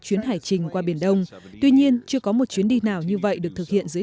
chuyến hải trình qua biển đông tuy nhiên chưa có một chuyến đi nào như vậy được thực hiện dưới